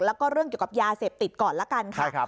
แล้วก็เรื่องเกี่ยวกับยาเสพติดก่อนละกันค่ะ